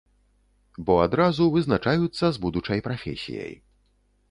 Бо адразу вызначаюцца з будучай прафесіяй.